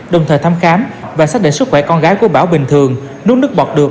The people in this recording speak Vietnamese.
đồng thời thăm khám và xác định sức khỏe con gái của bảo bình thường nún nước bọt được